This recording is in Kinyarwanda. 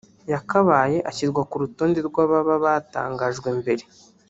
yakabaye ashyirwa ku rutonde rw’ababa batangajwe mbere